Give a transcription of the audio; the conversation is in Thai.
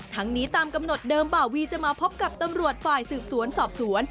ทั้งนี้ตามกำหนดเดิมบ่าวีจะมาพบกับตำรวจฝ่ายสืบสวนสอบสวน